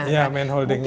ya main holdingnya